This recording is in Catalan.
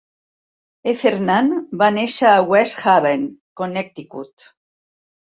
Heffernan va néixer a West Haven, Connecticut.